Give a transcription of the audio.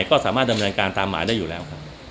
ก็สามารถดำเนินการตามหมายได้อยู่แล้วครับ